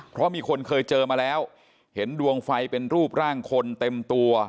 เพราะมีคนเคยเจอมาแล้วเห็นดวงไฟเป็นรูปร่างคนเต็มตัว